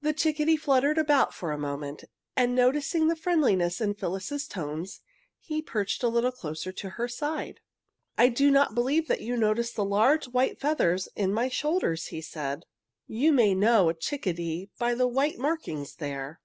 The chickadee fluttered about for a moment, and noticing the friendliness in Phyllis's tones he perched a little closer to her side. "I do not believe you noticed the large white feathers in my shoulders," he said. "You may always know a chickadee by the white markings there."